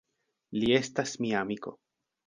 Li estas mia amiko.